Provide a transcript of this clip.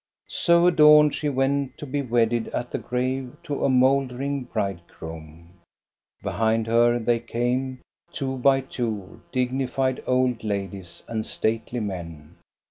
So adorned, she went to be wedded at the grave to a mouldering bridegroom. 24 370 THE STORY OF GOSTA BERUNG Behind her they came, two by two, dignified old ladies and stately men.